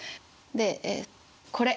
でこれ。